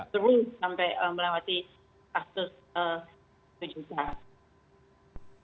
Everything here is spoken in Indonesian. seru sampai melewati kasus tujuh tahun